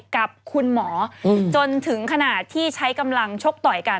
กับคุณหมอจนถึงขนาดที่ใช้กำลังชกต่อยกัน